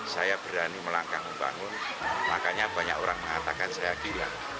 saya berani melangkah membangun makanya banyak orang mengatakan saya gila